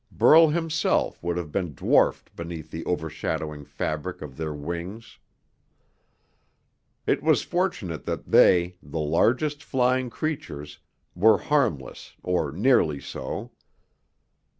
Burl himself would have been dwarfed beneath the overshadowing fabric of their wings. It was fortunate that they, the largest flying creatures, were harmless or nearly so.